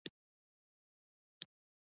تاسو هم دلته اوسئ اوس به دستي راسي.